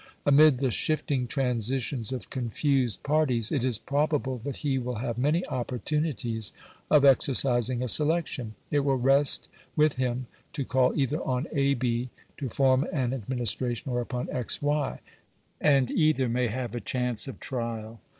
Amid the shifting transitions of confused parties, it is probable that he will have many opportunities of exercising a selection. It will rest with him to call either on A B to form an administration, or upon X Y, and either may have a chance of trial.